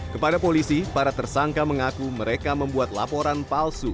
kepada polisi para tersangka mengaku mereka membuat laporan palsu